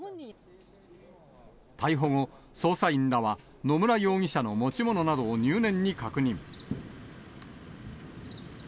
逮捕後、捜査員らは、野村容疑者の持ち物などを入念に確認。